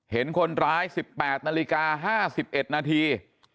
เห็นคนร้าย๑๘นาฬิกา๕๑นาที